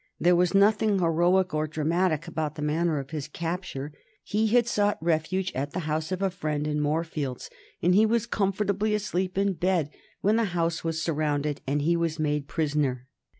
There was nothing heroic or dramatic about the manner of his capture. He had sought refuge at the house of a friend in Moorfields, and he was comfortably asleep in bed when the house was surrounded and he was made prisoner.